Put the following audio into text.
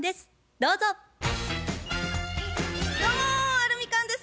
どうもアルミカンです。